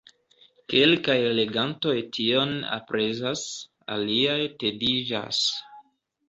Kelkaj legantoj tion aprezas, aliaj tediĝas.